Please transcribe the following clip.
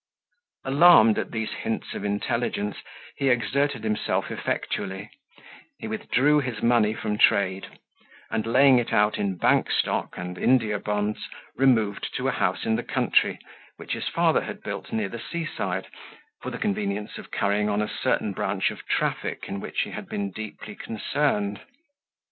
Alarmed at these hints of intelligence, he exerted himself effectually; he withdrew his money from trade, and laying it out in Bank stock, and India bonds, removed to a house in the country, which his father had built near the sea side, for the convenience of carrying on a certain branch of traffic in which he had been deeply concerned.